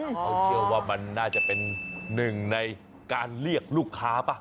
เขาเชื่อว่ามันน่าจะเป็นหนึ่งในการเรียกลูกค้าป่ะ